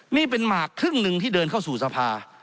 นี่เป็นหมากครึ่งหนึ่งที่เดินเข้าสู่สภา